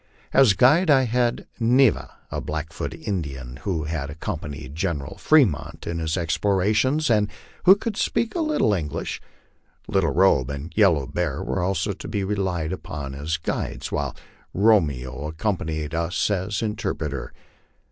As guide I had Ne va, a Blackfoot Indian, who had accompanied General Fremont in his ex plorations, and who could speak a little English. Little Robe and Yellow Bear were also to be relied upon as guides, while Romeo accompanied us as interpreter.